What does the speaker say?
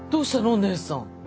お姉さん。